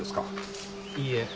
いいえ。